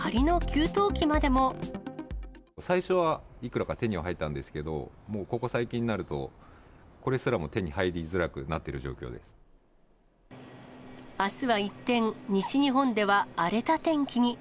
最初はいくらか手には入ったんですけど、もうここ最近になると、これすらも手に入りづらくなあすは一転、西日本では荒れた天気に。